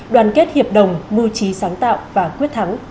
đoàn kết hiệp đồng mưu trí sáng tạo và quyết thắng